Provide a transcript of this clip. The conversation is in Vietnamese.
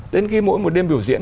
đến khi mỗi một đêm biểu diễn